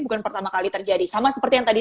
bukan pertama kali terjadi sama seperti yang tadi